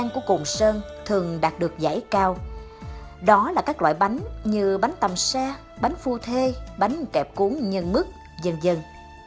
các loại bánh như bánh tầm xe bánh phu thê bánh kẹp cuốn nhân mức dân dân